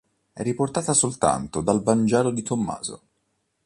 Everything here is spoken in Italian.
È riportata soltanto dal "Vangelo di Tommaso".